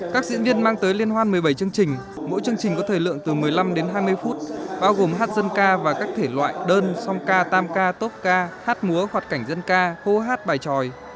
các diễn viên mang tới liên hoan một mươi bảy chương trình mỗi chương trình có thời lượng từ một mươi năm đến hai mươi phút bao gồm hát dân ca và các thể loại đơn song ca tam ca tốt ca hát múa hoặc cảnh dân ca hô hát bài tròi